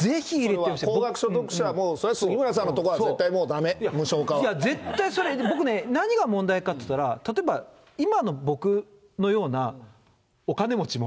高額所得者、それは杉村さんのところはだめ、絶対それ、僕ね、何が問題かっていったら、例えば今の僕のようなお金持ちも。